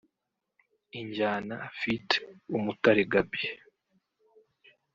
Injyana ft Umutare Gaby